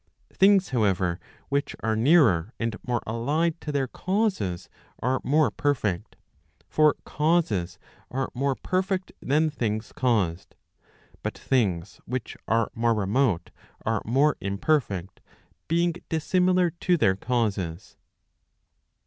Things however, which are nearer and more allied to their causes, are more perfect. For causes are more perfect than things caused. But things which are more remote art more imperfect, being dissimilar to their causes.